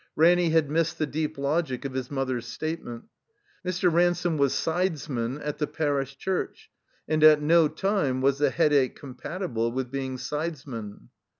Raimy had missed the deep logic of his mother's stat^ent. Mr. Ransome was sides man at the Parish Chtirch, and at no time was the Headache compatible with being sidesman.